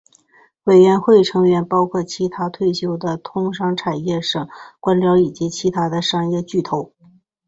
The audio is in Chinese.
委员会成员包括其它退休的通商产业省官僚以及其它的商业巨头。